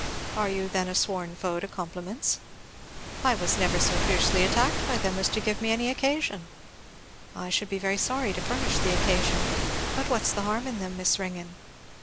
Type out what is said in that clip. "Are you then a sworn foe to compliments?" "I was never so fiercely attacked by them as to give me any occasion." "I should be very sorry to furnish the occasion, but what's the harm in them, Miss Ringgan?"